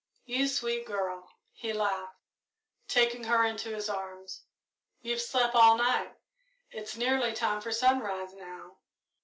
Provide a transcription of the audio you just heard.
"You sweet girl," he laughed, taking her into his arms; "you've slept all night it's nearly time for sunrise, now."